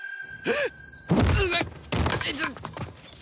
えっ！？